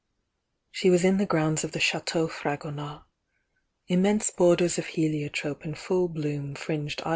She was in the grounds of the Chateau Fragonard. Immense borders of heliotrope in full bloo 1 fringed eithe.'